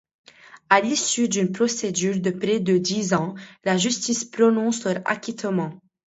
À l'issue d'une procédure de près de dix ans, la justice prononce leur acquittement.